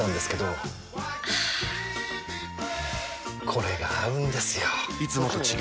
これが合うんですよ！